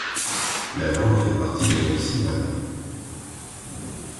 La langue fait partie des langues siouanes.